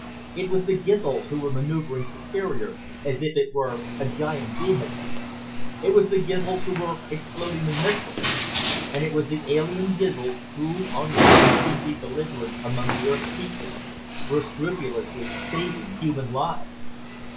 It was the Gizls who were maneuvering Superior as if it were a giant vehicle. It was the Gizls who were exploding the missiles. And it was the alien Gizls who, unlike the would be belligerents among the Earth people, were scrupulously saving human lives.